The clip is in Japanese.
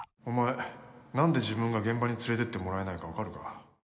お前何で自分が現場に連れてってもらえないか分かるか？